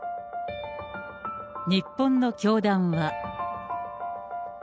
日本の教団は。